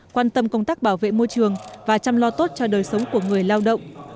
quan tâm công tác bảo vệ môi trường và chăm lo tốt cho đời sống của người lao động